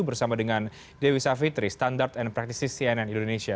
bersama dengan dewi savitri standard and practices cnn indonesia